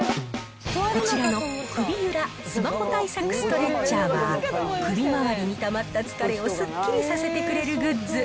こちらの首ゆらスマホ対策ストレッチャーは、首回りにたまった疲れをすっきりさせてくれるグッズ。